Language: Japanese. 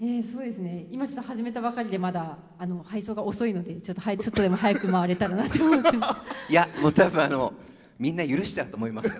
今、ちょっと始めたばかりでまだ配送が遅いのでちょっとでも速く回れたらなと思っています。